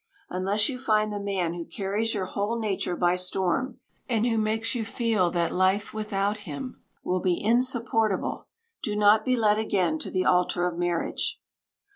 Unless you find the man who carries your whole nature by storm, and who makes you feel that life without him will be insupportable, do not be led again to the altar of marriage.